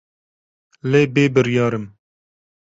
Lê bêbiryar im.